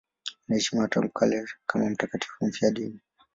Anaheshimiwa tangu kale kama mtakatifu mfiadini.